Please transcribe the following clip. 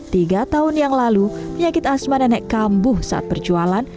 tiga tahun yang lalu penyakit asma nenek kambuh saat perjualan